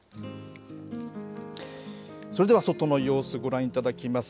それでは外の様子、ご覧いただきます。